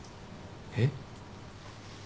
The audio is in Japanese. えっ？